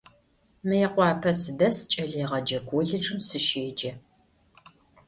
Мыекъуапэ сыдэс, кӏэлэегъэджэ колледжым сыщеджэ.